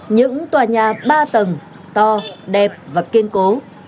những tòa nhà ba tầng to đẹp và kiên cố